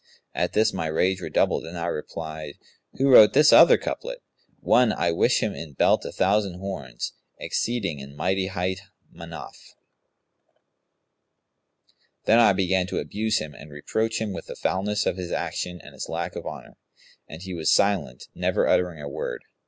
At this my rage redoubled, and I replied, 'He who wrote this other couplet', 'One, I wish him in belt a thousand horns, * Exceeding in mighty height Manaf.'[FN#185] Then I began to abuse him and reproach him with the foulness of his action and his lack of honour; and he was silent, never uttering a word.